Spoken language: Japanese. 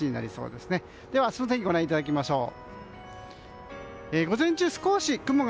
では、明日の天気をご覧いただきましょう。